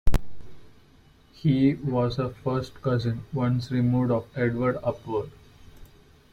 He was a first cousin once removed of Edward Upward.